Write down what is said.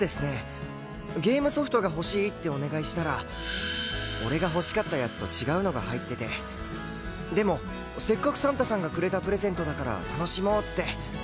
ゲームソフトが欲しいってお願いしたら俺が欲しかったやつと違うのが入っててでもせっかくサンタさんがくれたプレゼントだから楽しもうって。